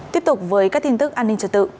tiếp tục với các tin tức an ninh trật tự